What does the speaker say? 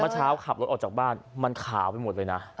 เช้าขับรถออกจากบ้านมันขาวไปหมดเลยนะ